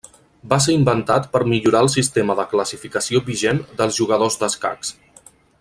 Va ser inventat per millorar el sistema de classificació vigent dels jugadors d'escacs.